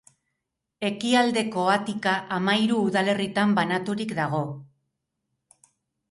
Ekialdeko Atika hamahiru udalerritan banaturik dago.